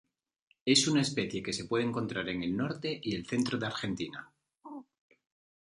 Es una especie que se puede encontrar en el norte y centro de Argentina.